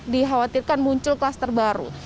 dikhawatirkan muncul klaster baru